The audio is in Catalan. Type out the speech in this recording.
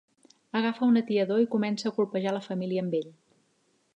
Agafa un atiador i comença a colpejar la família amb ell.